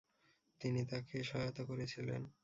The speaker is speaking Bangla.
তিনি তাঁকে সহায়তা করেছিলেন।